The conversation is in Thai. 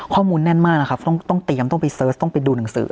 แน่นมากนะครับต้องเตรียมต้องไปเสิร์ชต้องไปดูหนังสือ